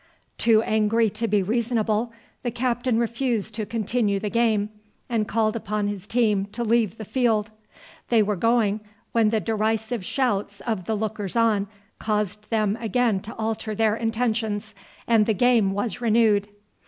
Too angry to be reasonable, the captain refused to continue the game, and called upon his team to leave the field. They were going, when the derisive shouts of the lookers on caused them again to alter their intentions, and the game was renewed.